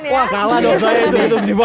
wah kalah dong saya itu